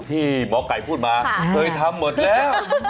ที่หมอกไก่พูดมาเฮ้ยทำหมดแล้ว